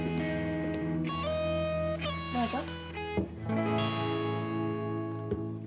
どうぞ。